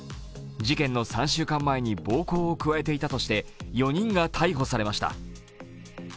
事件の３週間前に暴行を加えていたとして４人が逮捕されました。